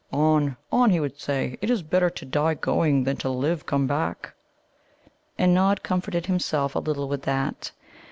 'On, on,' he would say. 'It is better to die, going, than to live, come back.'" And Nod comforted himself a little with that.